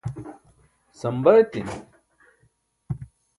samba etin